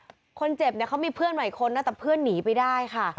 คนเจ็บเนี่ยเขามีเพื่อนใหม่คนนะแต่เพื่อนหนีไปได้ค่ะ